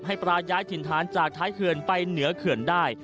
ปลาย้ายถิ่นฐานจากท้ายเขื่อนไปเหนือเขื่อนได้